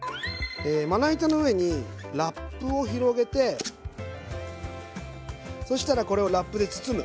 えまな板の上にラップを広げてそしたらこれをラップで包む。